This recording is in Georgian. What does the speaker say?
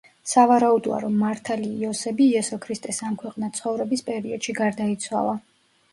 სავარაუდოა რომ მართალი იოსები იესო ქრისტეს ამქვეყნად ცხოვრების პერიოდში გარდაიცვალა.